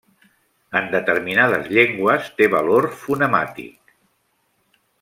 En determinades llengües té valor fonemàtic.